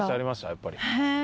やっぱり。